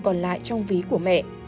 còn lại trong ví của mẹ